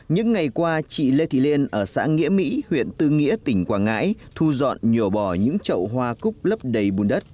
những ngày qua chị lê thị liên ở xã nghĩa mỹ huyện tư nghĩa tỉnh quảng ngãi thu dọn nhổ bỏ những trậu hoa cúc lấp đầy bùn đất